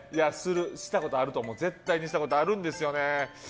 したことあると思う絶対にしたことあるんですよね。